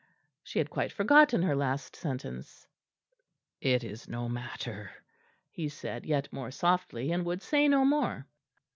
She had quite forgotten her last sentence. "It is no matter," he said yet more softly; and would say no more.